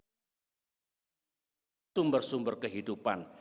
banyak sumber sumber kehidupan